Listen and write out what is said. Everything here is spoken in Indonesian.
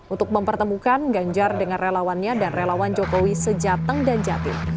untuk mempertemukan ganjar dengan relawannya dan relawan jokowi sejateng dan jatim